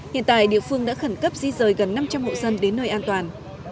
hiện tại địa phương đã khẩn cấp di rời gần năm trăm linh hộ dân đến nơi an toàn